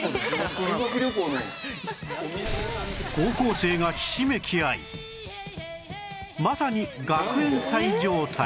高校生がひしめき合いまさに学園祭状態